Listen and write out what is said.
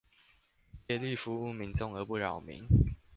竭力服務民眾而不擾民